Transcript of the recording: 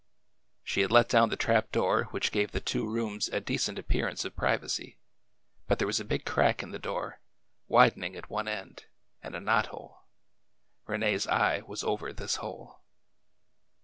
She had let down the trap door, which gave the two rooms a decent appearance of privacy, but there was a big crack in the door, widening at one end, and a knot hole. Rene's eye was over this hole.